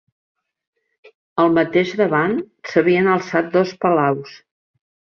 Al mateix davant, s'havien alçat dos palaus